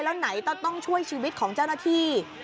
แล้วไหนต้องช่วยชีวิตของเจ้าหน้าที่